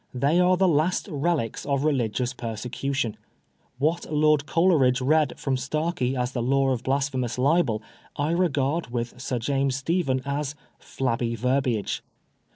They are the last relics of religious persecu tion. What Lord Coleridge read from Starkie as the law of blasphemous libel, I regard with Sir James^ Stephen as " flabby verbiage."